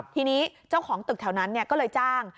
ทีนี้เจ้าของตึกแถวนั้นก็เลยจ้าง